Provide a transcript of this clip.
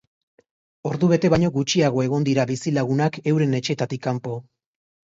Ordubete baino gutxiago egon dira bizilagunak euren etxeetatik kanpo.